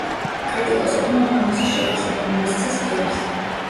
კრიტიკოსებმა უმაღლესი შეფასებები მისცეს ფილმს.